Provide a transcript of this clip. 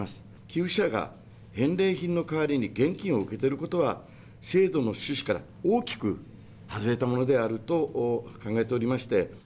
寄付者が返礼品の代わりに現金を受け取ることは、制度の趣旨から大きく外れたものであると考えておりまして。